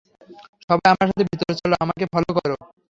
সবাই আমার সাথে ভিতরে চলো, আমাকে ফলো করো।